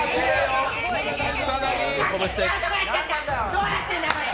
どうなってんだこれ？